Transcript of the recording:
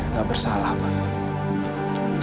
tidak bersalah pak